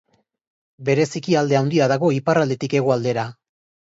Bereziki alde handia dago iparraldetik hegoaldera.